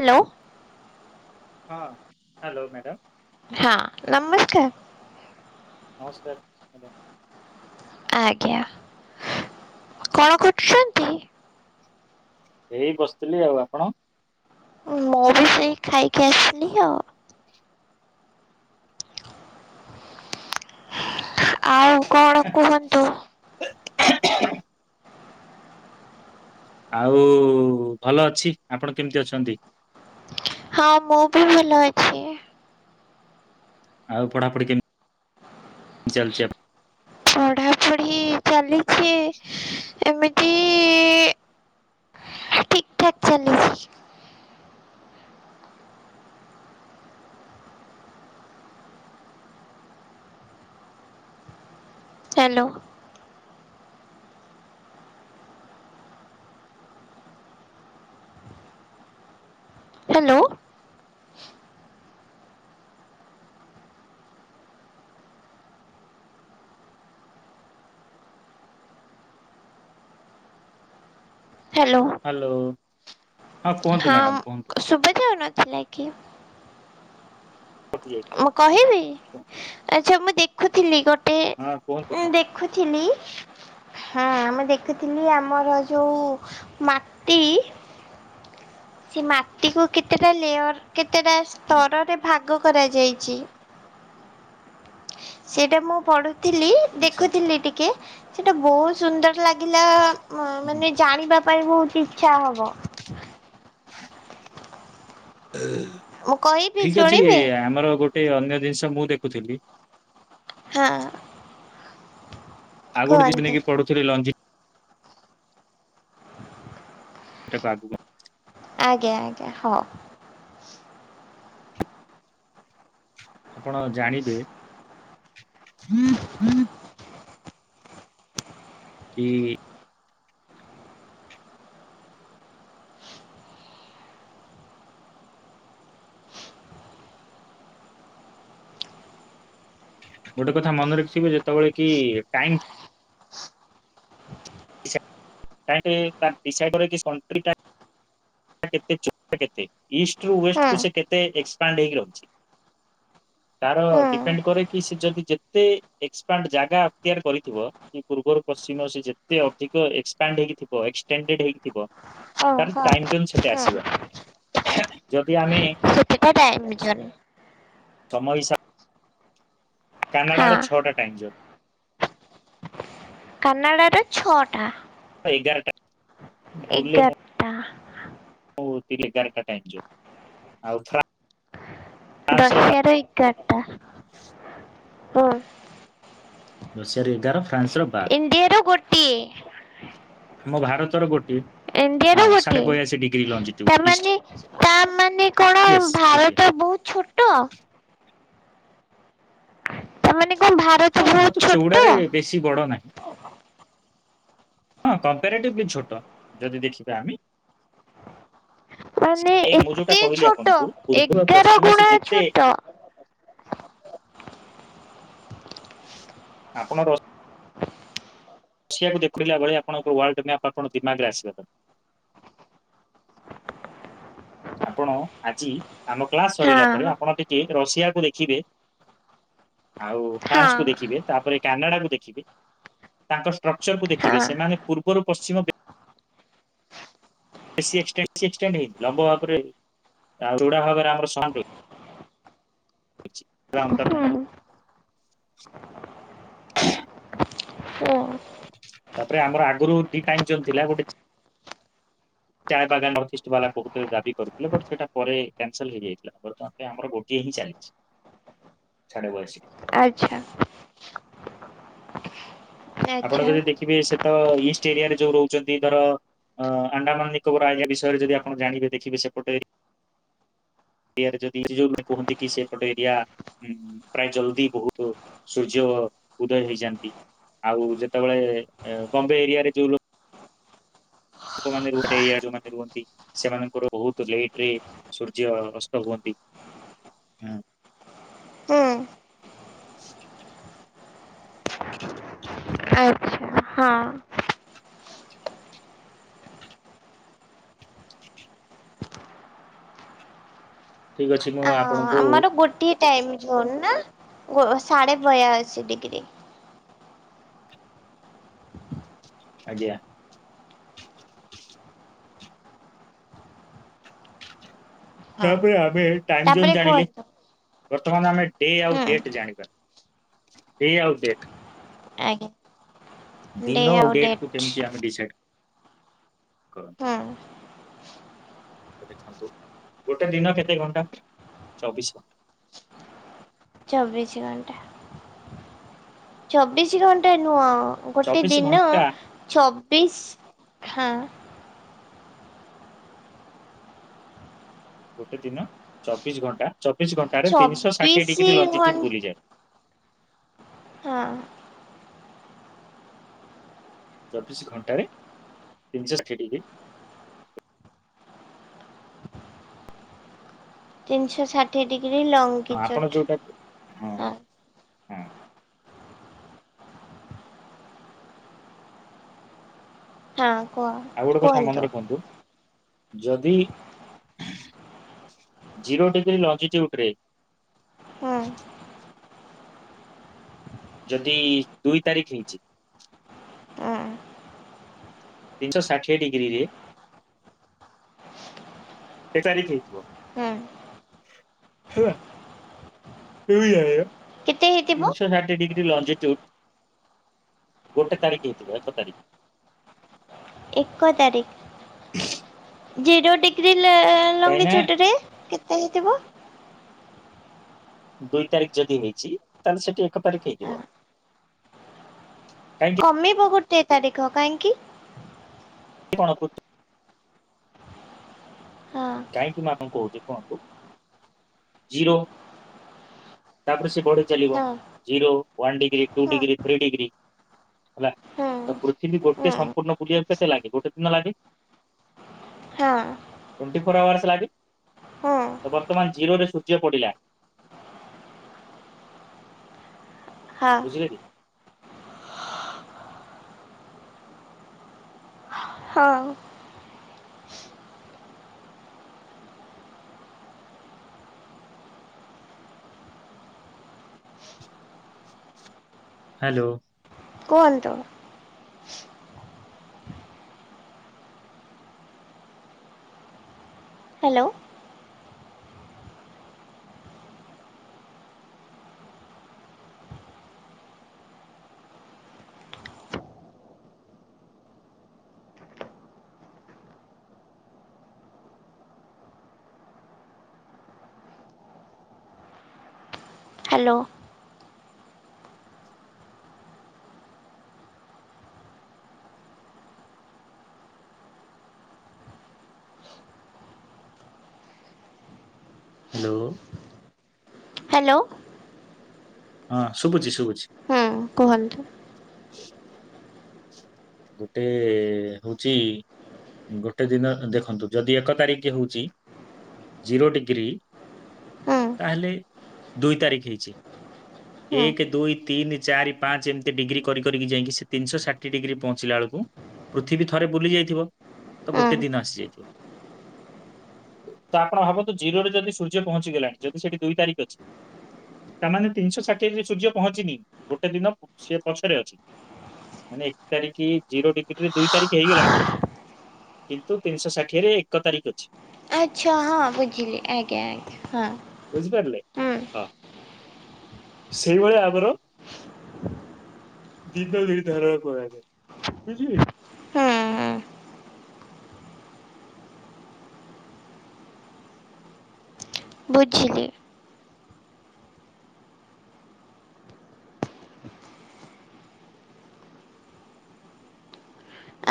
Hello. ହଁ hello madam. ହାଁ ନମସ୍କାର। ନମସ୍କାର, ମାଡମ ଆଜ୍ଞା। କଣ କରୁଛନ୍ତି? ଏଇ ବସିଥିଲି, ଆଉ ଆପଣ? ମୁଁ ବି ସେଇ ଖାଇକି ଆସିଲି ଆଉ। ଆଉ କଣ କୁହନ୍ତୁ? [inaudible] ଆଉ ଭଲ ଅଛି, ଆପଣ କେମିତି ଅଛନ୍ତି? ହଁ ମୁଁ ବି ଭଲ ଅଛି। ଆଉ ପଢାପଢି କେମିତି ଚାଲିଛି ଆପ ପଢାପଢି ଚାଲିଛି ଏମିତି। ଠିକ୍ ଠାକ୍ ଚାଲିଛି। ହ୍ୟାଲୋ। ହ୍ୟାଲୋ। ହ୍ୟାଲୋ। ହ୍ୟାଲୋ। ହଁ କୁହନ୍ତୁ ମ୍ୟାଡ଼ାମ କୁହନ୍ତୁ। ହଁ ସୁଭା ଯାଉନଥିଲା କି? କଟି ଯାଇଥିଲା। ମୁଁ କହିବି ଆଚ୍ଛା ମୁଁ ଦେଖୁଥିଲି ଗୋଟେ ହଁ କୁହନ୍ତୁ ଦେଖ କୁହନ୍ତୁ। ଦେଖୁଥିଲି ହଁ ଆମେ ଦେଖୁଥିଲି ଆମର ଯୋଉ ମାଟି ସେ ମାଟିକୁ କେତେଟା ଲେୟର କେତେଟା ହୁଁ ସ୍ତରରେ ଭାଗ କରାଯାଇଛି। ସେଇଟା ମୁଁ ପଢୁଥିଲି ଆଚ୍ଛା ଦେଖୁଥିଲି ଟିକେ ସେଟା ବହୁତ ସୁନ୍ଦର ଲାଗିଲା ହୁଁ ମାନେ ଜାଣିବା ପାଇଁ ବହୁତ ଇଛା ହବ। ମୁଁ କହିବି ଠିକ ଅଛି ଶୁଣିବେ ଆମର ଗୋଟେ ଅନ୍ୟ ଜିନିଷ ମୁଁ ଦେଖୁଥିଲି ହଁ। [inaudible] କୁହନ୍ତୁ ନେଇକି ପଢୁଥିଲ [inaudible] ତାକୁ ଆଗକୁ ଆଜ୍ଞା ଆଜ୍ଞା ହଁ। ଆପଣ ଜାଣିବେ କି ଗୋଟେ କଥା ମନେ ରଖିବେ ଯେତେବେଳେ କି ଟାଇମ [unintelligible] [unintelligible] ଇଷ୍ଟ ରୁ ହଁ ୱେଷ୍ଟ କୁ ସେ କେତ ଏକ୍ପାଣ୍ଡ ହେଇକି ରହୁଛି ହ ତାର ଡିପେଣ୍ଡ କରେ କି ସେ ଯଦି ଯେତେ ଏକ୍ସପାଣ୍ଡ ଜାଗା ଅକ୍ତିଆର କରିଥିବ କି ପୂର୍ବରୁ ପଶ୍ଚିମ ସେ ଯେତେ ଅଧିକ ଏକ୍ସପାଣ୍ଡ ହେଇକଥିବ ଏକ୍ସଟେଣ୍ଡେ ହେଇକିଥିବ ହଁ ହଁ। ସେତେ ଆସିବ ଯଦି ଆମେ ଠିକଟଏଝ [unintelligible] ତମ ହିସା କାନାଡାର ହଁ ଛଅଟା ଟାଇମ ଜୋନ୍। କାନାଡ଼ାରେ ଛଅଟା? ଏଗାରଟା। ଏଗାରଟା ହରେ ଘାର କଟାଇ ଆଉ [unintelligible] ଫ୍ରାନ୍ସ ର ବା ରଶିଆାର ଏଗାରଟା ‌ହୁ ରସିଆର ଏଗାର ଫ୍ରାନ୍ସର ବାର। ଇଣ୍ଡିଆର ଗୋଟିଏ। ଆମ ଭାରତର ଗୋଟିଏ। ଇଣ୍ଡିଆର ହଁ ସାଢେ ବୟାଅଶୀ ଡିଗ୍ରୀ ଗୋଟିଏ ଲଞ୍ଜିଟ୍ୟୁଡ ଇଷ୍ଟ ତାମାନେ ତା ମାନେ କଣ ୟେସ୍ ଗୋଟିଏ। ଭାରତ ବହୁତ ଛୋ ତ ତାମାନେ କଣ ଭା ହଁ ଏବେ ତ ଚୁଡାରେ ବେଶୀ ବଡ ନାହିଁ। ହଁ କମ୍ପଟିଭଲି ଛୋଟ ଯଦି ଦେଖିବା ଆମେ ମାନେ ମୁଁ ଯୋଉଟା ଏତେ କହିଲି ଛୋଟ ଆପଣଙ୍କୁ ପୂର୍ବ ଆଉ ଏଗାର ପଶ୍ଚିମ ସେ ଗୁଣା ଯେତେ ଛୋଟ? ଆପଣ ର ରୁଷଆକୁ ଦେଖିଲା ଭଳିଆ ଆପଣଙ୍କ ୱାର୍ଲଡ ମ୍ୟାପ ଆପଣ ଦିମାଗରେ ଆସି [unintelligible] ଆପଣ ଆଜି ଆମ କ୍ଲାସ ସରିଲା ପରେ ହଁ ଆପଣ ଯେ ରଷିଆକୁୁ ଦେଖିବେ ଆଉ ଫ୍ରାନ୍ସ କୁ ହଁ ଦେଖିବେ। ତାପରେ କାନାଡା କୁ ଦେଖିବେ ତାଙ୍କ ଷ୍ଟ୍ରକ୍ଚର କୁ ଦେଖିବେ ହଁ ସେମାନେ ପୂର୍ବରୁ ପଶ୍ଚିମ [inaudible] କ୍ରାମ ତାର ନାହିଁ। ହୁଁ ହୁଁ। ତାପରେ ଆମର ଆଗରୁ ଦି ଟାଇ ଜବ ଥିଲା ଗୋଟେ ଚା ବାଗା ନର୍ଥ ଇଷ୍ଟ ବାଲା ବହୁତ ଦାବି କରୁଥିଲେ ବଟ ସେଟା ପରେ କ୍ୟାନସଲ ହେଇଯାଇଥିଲା ବର୍ତ୍ତମାନ ପାଇଁ ଆମର ଗୋଟିଏ ହିଁ ଚାଲିଛି। ଛାଡ଼ ବଏସି। ଆଚ୍ଛା। ଆପଣ ଆଚ୍ଛା ଯଦି ଦେଖିବେ ସେ ତ ଇଷ୍ଟ ଏରିଆରେ ଯୋଉ ରହୁଛନ୍ତି ଧର। ଅ ଆଣ୍ଡାମାନ ନିକୋବର ଆଇଆ ବିଷୟରେ ଯଦି ଆପଣ ଜାଣିବ ଦେଖିବେ ସେପଟେ। ଯଦି ଯୋଉ କୁହନ୍ତି କି ସେ ପଟ ଏରିଆ। ହଁ ପ୍ରାୟ ଜଲଦି ବହୁତ ସୂର୍ଯ୍ୟ ଓ ଉଦୟ ହେଇଯାନ୍ତି। ଆଉ ଯେତେବେଳେ ବମ୍ବେ ଏରିଆରେ ଯୋଉ ଲୋ ଲୋକମାନେ ରୁହ ଟେ ଏଇଆ ଯୋଉମାନେ ରୁହନ୍ତି। ସେମାନଙ୍କର ବହୁତ ଲେଟ ରେ ସୂର୍ଯ୍ୟ ଅସ୍ତ ହୁଅନ୍ତି ହାଁ। ହଁ। ଆଚ୍ଛା ହଁ। ଠିକ୍ ଅଛି ମୁଁ ଅ ଆ ଆମର ଗୋଟିଏ ଟାଇମ ଜୋନ୍ ନା ଗୋ ସାଢେ ବୟାଅଶୀ ଡିଗ୍ରୀ। ଆଜ୍ଞା। ତା ହଁ ପରେ ଆମେ ଟାଇମ ତାପରେ ଜୋନ୍ ଜାଣିଲେ। କୁହନ୍ତୁ ବର୍ତ୍ତମାନ ଆମେ ଡେ ହୁଁ ଆଉଡେଟ ଜାଣିବା ଡେ ଆଉ ଡେଟ। ଆଜ୍ଞା। ଦିନ ଆଉ ଡେଟ୍ କୁ କେମିତି ଆମେ ଡିସାଇଡ୍ କରନ୍ତି। ହୁଁ ଦେଖନ୍ତୁ ଗୋଟେ ଦିନ କେତେ ଘଣ୍ଟା ଚବିଶି ଘଣ୍ଟା। ଚବିଶି ଘଣ୍ଟା ଚବିଶି ଘଣ୍ଟା ନୁହଁ। ଗୋଟେ ଚବିଶ ଦିନ ଘଣ୍ଟା ଚବିଶି ହାଁ ଗୋଟେ ଦିନ ଚବିଶି ଘଣ୍ଟା ଚବିଶି ଘଣ୍ଟାରେ ତିନିଶହ ଷାଠିଏ ଚବିଶ ଡ଼ିଗ୍ରୀ ଲଂଜିଚ୍ୟୁଡ୍ ଘଣ୍ଟା ବୁଲିଯାଏ। ହଁ। ଚବିଶି ଘଣ୍ଟାରେ ତିନିଶହ ଷାଠିଏ ଡିଗ୍ରୀ ତିନିଶହ ଷାଠିଏ ଡିଗ୍ରୀ ହଁ ଆପଣ ଲଙ୍କିଚୋଟ୍ ଯୋଉଟା ହଁ ହଁ। ହଁ କୁହ ଆଉ ଗୋଟେ କଥା ମନେ କୁହନ୍ତୁ ରଖନ୍ତୁ ଯଦି ଜିରୋ ଡିଗ୍ରୀ ଲଞ୍ଜିଚ୍ୟୁଡ଼ ରେ ହୁଁ ଯଦି ଦୁଇ ତାରିଖି ହେଇଛି। ହୁଁ ତିନିଶ ଷାଠିଏ ଡିଗ୍ରୀରେ। କେତେ ତାରିଖି ହେଇଥିବ? ହୁଁ ହେଲା [unintelligible] କେତେ ହେଇଥିବ ତିନିଶହ ଷାଠିଏ ଡିଗ୍ରୀ [unintelligible] ଗୋଟେ ତାରିଖ ହେଇଥିବ ଏକ ତାରିଖ। ଏକ ତାରିଖ ଜିରୋ ଡ଼ି ରିଲ କାହିଁକି ନା ଲଙ୍ଗିଚୁଟ୍ ରେ କେତେ ହେଇଥିବ? ଦୁଇ ତାରିଖ ଯଦି ହେଇଛି ତା ହେଲେ ସେଠି ଏକ ତାରିଖ ହେଇଥିବ। କାହିଁକି କମିବ ଗୋଟେ ତାରିଖ କାହିଁକି? କଣ [unintelligible] ହଁ କାହିଁକି ନାଁ ଆପଣଙ୍କୁ କହୁଛି ଶୁଣନ୍ତୁ? ଜିରୋ ତା ପରେ ସେ ବଢ଼ିଚାଲିବ ହଁ zero, one degree, two degree, three degree, ହେଲା ହଁ ତ ପୃଥିବୀ ଗୋଟେ ହଁ ହଁ ସମ୍ପୂର୍ଣ୍ଣ ବୁଲିବାକୁ କେତେ ଲାଗେ ଗୋଟେ ଦିନ ଲାଗେ। ହଁ। ଟୋଣ୍ଟି ଫୋର୍ ଆୱାର୍ସ ଲାଗେ, ହଁ ତ ବର୍ତ୍ତମାନ ଜିରୋରେ ସୂର୍ଯ୍ୟ ପଡ଼ିଲା ହଁ ହେଲା କି? ହଁ। ହ୍ୟାଲୋ। କୁହନ୍ତୁ? ହ୍ୟାଲୋ। ହ୍ୟାଲୋ। ହ୍ୟାଲୋ। ହ୍ୟାଲୋ। ହଁ ଶୁଭୁଛି-ଶୁଭୁଛି। ହଁ କୁହନ୍ତୁ? ଗୋଟେ ହଉଛି ଗୋଟେ ଦିନ ଦେଖନ୍ତୁ ଯଦି ଏକ ତାରିଖ ହଉଛି ଜିରୋ ଡ଼ିଗ୍ରୀ ହୁଁ ତା ହେଲେ ଦୁଇ ତାରିଖ ହେଇଛି। ହୁଁ ଏକ, ଦୁଇ, ତିନି, ଚାରି, ପାଞ୍ଚ ଏମିତି ଡ଼ିଗ୍ରୀ କରି କରିକି ଯାଇକି ସେ ତିନିଶହ ଷାଠିଏ ଡ଼ିଗ୍ରୀ ପହଞ୍ଚ ଞ୍ଚିଲାବେଳକୁ ପୃଥିବୀ ଥରେ ବୁଲି ଯାଇଥିବ ତ ଗୋଟେ ହୁଁ ଦିନ ଆସିଯାଇଥିବ। ତ ଆପଣ ଭାବନ୍ତୁ ଜିରୋ ରେ ଯଦି ସୂର୍ଯ୍ୟ ପହଞ୍ଚିଗଲାଣି ଯଦି ସେଠି ଦୁଇ ତାରିଖ ଅଛି ତା ମାନେ ତିନିଶହ ଷାଠିଏ ସୂର୍ଯ୍ୟ ପହଞ୍ଚିନି ଗୋଟେ ଦିନ ସେ ପଛରେ ଅଛି। ମାନେ ଏକ ତାରିଖ ଜିରୋ ଡ଼ିଗ୍ରୀ ରେ ଦୁଇ ତାରିଖ ହେଇଗଲାଣି। କିନ୍ତୁ ତିନିଶହ ଷାଠିଏରେ ଏକ ତାରିଖ ଅଛି। ଆଚ୍ଛା ହଁ ବୁଝିଲି ଆଜ୍ଞା-ଆଜ୍ଞା ହଁ। ବୁଝିପାରିଲେ ହୁଁ ହଁ ସେଇଭଳିଆ ଆମର ଦିନ ଦିଟାର। [unintelligible] [unintelligible] ହୁଁ ହୁଁ ବୁଝିଲି।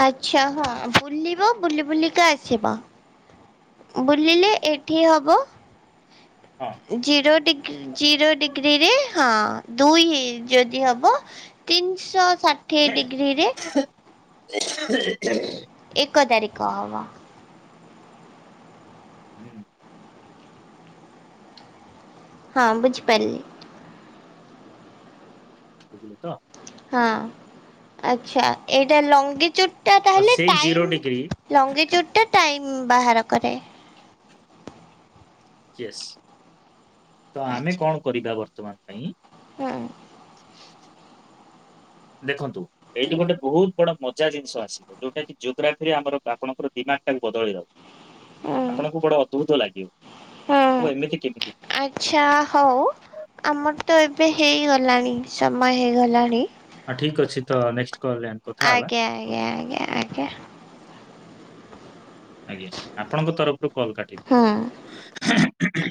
ଆଚ୍ଛା ହଁ ବୁଲିବ? ବୁଲି ବୁଲି କା ଆସିବ। ବୁଲିଲେ ଏଠି ହେବ ହଁ। ଜିରୋ୍ ଡିଗ୍ ଜିରୋ ଡିଗ୍ରୀରେ ହଁ, ଦୁଇ ଯଦି ହବ ତିନିଶହ ଷା [unintelligible] ଏକ ତାରିଖ ହବ। ହୁଁ ହଁ ବୁଝିପାରିଲି। ବୁଝିଲେ ତ? ହଁ, ଆଚ୍ଛା ଏଇଟା ଲଙ୍ଗି ଚୁ ତ ସେଇ ଜିରୋ ଡିଗ୍ରୀ ଲଙ୍ଗିଚୁଟ୍ ଟା ଟାଇମ୍ ବାହାର କରେ। ୟେସ୍, ତ ଆମେ କଣ କରିବା ବର୍ତ୍ତମାନ ପାଇଁ ହୁଁଉଁ ଦେଖନ୍ତୁ, ଏଇଠି ଗୋଟେ ବହୁତ ବଡ ମଜା ଜିନିଷ ଆସେ ଯଉଟା କି ଜୋଗ୍ରାଫିରେ ଆମର ଆପଣଙ୍କର ଦିମାକ୍ ଟାକୁ ବଦଳେଇ ଦବ। ହୁଁ ଆପଣଙ୍କୁ ବଡ ଅଦ୍ଭୁତ ଲାଗିବ। ହୁଁ ହବ ଏମିତି କେମିତି। ଆଚ୍ଛା ହଉ ଆମର ତ ଏବେ ହେଇଗଲାଣି ସମୟ ହେଇଗଲାଣି। ଆଁ ଠିକ୍ ଅଛି ତ ନେକ୍ସଟ କଲ୍‌ରେ ଆମେ ଆଜ୍ଞା ଆଜ୍ଞା ଆଜ୍ଞା ଆଜ୍ଞା ଆଜ୍ଞା, ଆପଣଙ୍କ ତରଫରୁ କଲ୍ କାଟିବେ ହୁଁ [unintelligible]